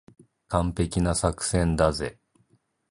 完璧な作戦だぜ。